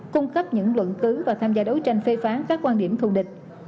cung cấp những luận cứ và tham gia đấu tranh phê phán các quan điểm thù địch